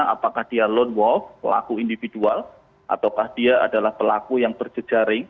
apakah dia lone wolf pelaku individual ataukah dia adalah pelaku yang berjejaring